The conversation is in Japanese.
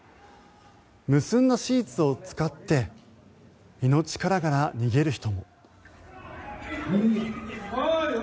結んだシーツを使って命からがら逃げる人も。